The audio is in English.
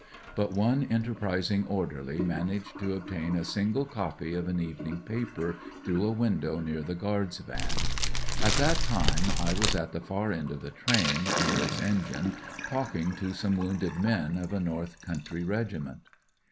But one enter prising orderly managed to obtain a single copy of an evening paper through a wmdow near the guard's van. At that time I was at the far end of the train, near its engine, talking to some wounded men of a north country regiment.